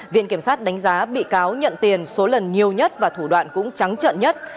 viện kiểm sát đánh giá bị cáo nhận tiền số lần nhiều nhất và thủ đoạn cũng trắng trận nhất